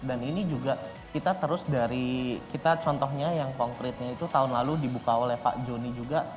dan ini juga kita terus dari kita contohnya yang konkretnya itu tahun lalu dibuka oleh pak joni juga